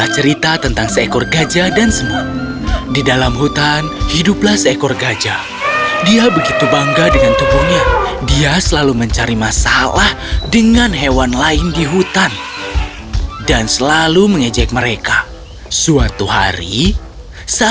cerita dalam bahasa indonesia